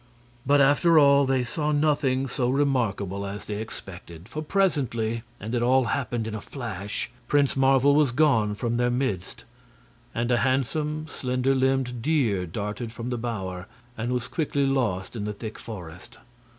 But, after all, they saw nothing so remarkable as they expected. For presently and it all happened in a flash Prince Marvel was gone from their midst, and a handsome, slender limbed deer darted from the bower and was quickly lost in the thick forest.